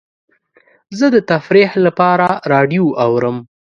زه د تفریح لپاره راډیو اورم.